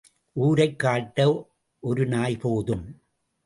ஊரைக் காட்ட ஒரு நாய் போதும்.